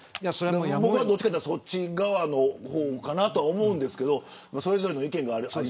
僕はどちらかといったらそっち側かなと思うんですけどそれぞれの意見がある。